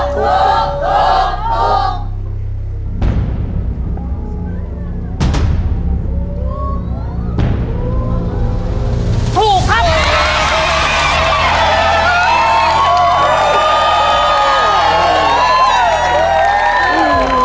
ถูกถูกถูกถูกถูก